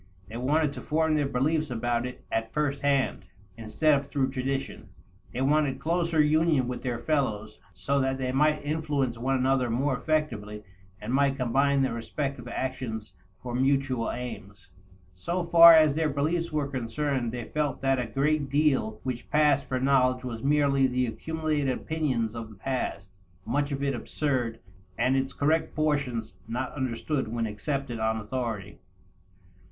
They wanted to form their beliefs about it at first hand, instead of through tradition. They wanted closer union with their fellows so that they might influence one another more effectively and might combine their respective actions for mutual aims. So far as their beliefs were concerned, they felt that a great deal which passed for knowledge was merely the accumulated opinions of the past, much of it absurd and its correct portions not understood when accepted on authority.